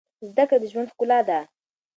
زده کړه د ژوند ښکلا ده.